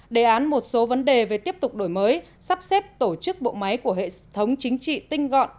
đề án một số vấn đề về tiếp tục đổi mới sắp xếp tổ chức bộ máy của hệ thống chính trị tinh gọn